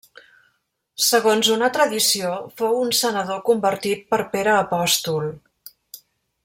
Segons una tradició fou un senador convertit per Pere apòstol.